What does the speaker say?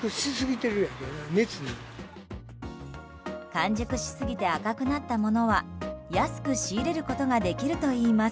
完熟しすぎて赤くなったものは安く仕入れることができるといいます。